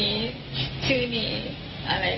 คิดแต่เรื่องแห่ง